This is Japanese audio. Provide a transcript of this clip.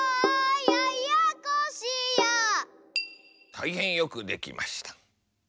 たいへんよくできました。